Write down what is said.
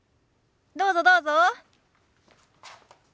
どうぞどうぞ。